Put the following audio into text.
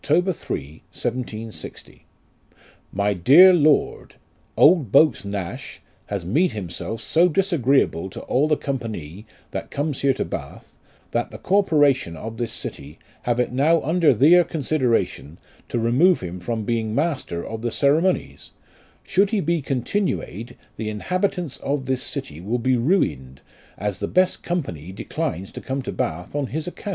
3, 1760. " 'Mr DEB LoBD, 1 Old Beaux Knash has mead himself e so dissagreeable to all the companey that comes here to Bath that the corperatian of this city have it now under thier consideration to remove him from beeing master of the cereymoines, should he be continuead the inhabitants of this city will be rueind, as the best companey declines to come to Bath on his ace'.